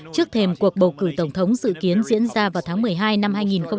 trước thêm cuộc bầu cử tổng thống dự kiến diễn ra vào tháng một mươi hai năm hai nghìn hai mươi